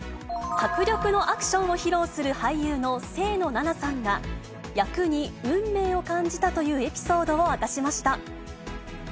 迫力のアクションを披露する俳優の清野菜名さんが、役に運命を感じたというエピソードを明かしました。